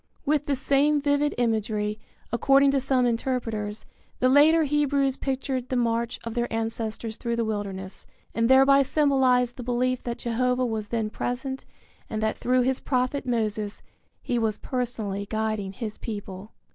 With the same vivid imagery, according to some interpreters, the later Hebrews pictured the march of their ancestors through the wilderness, and thereby symbolized the belief that Jehovah was then present and that through his prophet Moses he was personally guiding his people.